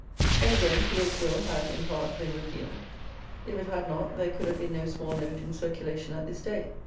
Then again, Peel's Bill has, in part, been repealed; if it had not, there could have been no small note in circulation at this day.